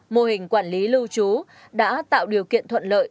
mô hình quản lý lưu trú đã tạo điều kiện thuận lợi